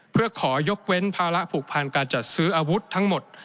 เพื่อขอยกเว้นภาระผูกพันการจัดซื้ออาวุธทั้งหมด